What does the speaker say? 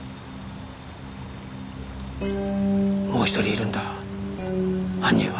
もう一人いるんだ犯人は。